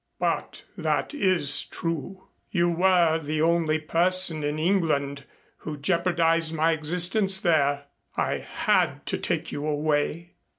But that is true. You were the only person in England who jeopardized my existence there. I had to take you away.